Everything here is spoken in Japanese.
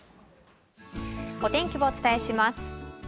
お天気をお伝えします。